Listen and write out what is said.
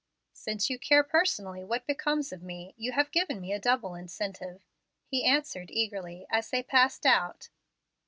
"Since you care personally what becomes of me, you have given me a double incentive," he answered eagerly, as they passed out.